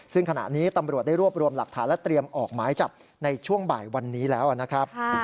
ซึ่งขณะนี้ตำรวจได้รวบรวมหลักฐานและเตรียมออกหมายจับในช่วงบ่ายวันนี้แล้วนะครับ